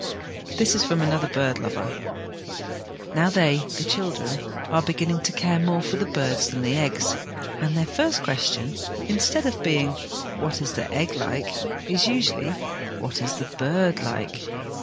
This is from another bird lover :" Now, they (the children) are beginning to care more for the birds than the eggs, and their first question, instead of being, * What is the egg like ?' is usually ' What is the bird like